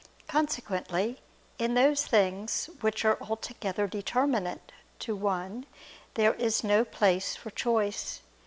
Consequently in those things which are altogether determinate to one there is no place for choice.